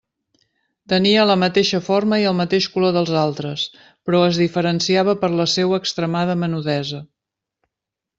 Tenia la mateixa forma i el mateix color dels altres, però es diferenciava per la seua extremada menudesa.